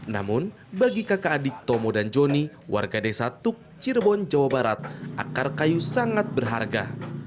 namun bagi kakak adik tomo dan joni warga desa tuk cirebon jawa barat akar kayu sangat berharga